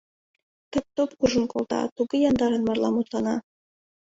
Тып-топ куржын колта, туге яндарын марла мутлана.